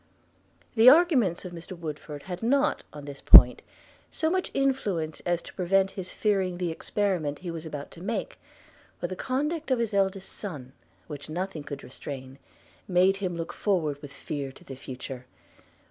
The arguments of Mr Woodford had not on this point so much influence as to prevent his fearing the experiment he was about to make; but the conduct of his eldest son, which nothing could restrain, made him look forward with fear to the future.